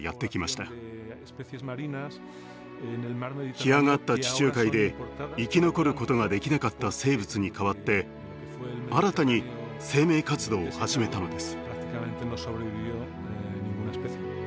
干上がった地中海で生き残ることができなかった生物に代わって新たに生命活動を始めたのです。